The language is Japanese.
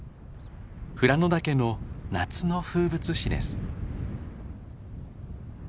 富良野岳の夏の風物詩です。